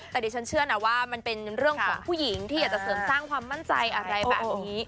แต่ดิฉันเชื่อนะว่ามันเป็นเรื่องของผู้หญิงที่อยากจะเสริมสร้างความมั่นใจอะไรแบบนี้